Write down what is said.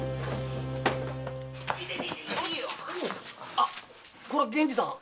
あこれは源次さん！